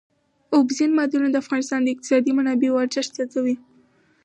اوبزین معدنونه د افغانستان د اقتصادي منابعو ارزښت زیاتوي.